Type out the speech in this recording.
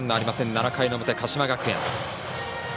７回の表、鹿島学園。